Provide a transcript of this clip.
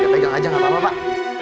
pegang aja gak apa apa pak